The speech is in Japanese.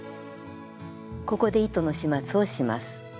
ここで糸の始末をします。